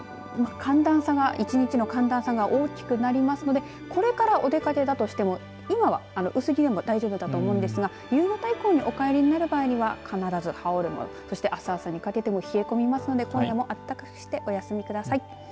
寒暖差が、一日の寒暖差が大きくなりますのでこれからお出かけだとしても今は薄着でも大丈夫だと思うんですが、夕方以降にお帰りになられる場合には必ず羽織る物、あす朝にかけても冷え込みますので今夜も暖かくしてお休みください。